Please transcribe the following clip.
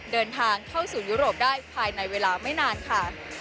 เดินทางเข้าสู่ยุโรปได้ภายในเวลาไม่นานค่ะ